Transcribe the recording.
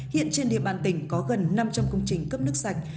hiện trên địa bàn tỉnh có gần năm trăm linh công trình cấp nước sạch